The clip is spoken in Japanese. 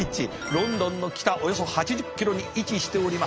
ロンドンの北およそ８０キロに位置しております。